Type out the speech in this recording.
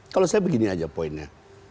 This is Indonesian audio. kalau saya begini aja poinnya